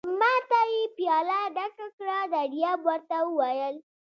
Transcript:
ما ته یې پياله ډکه کړه، دریاب ور ته وویل.